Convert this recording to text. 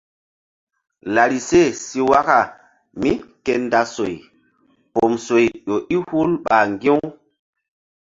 Larise si waka mí ke nda soy pom soy ƴo i hul ɓa ŋgi̧-u.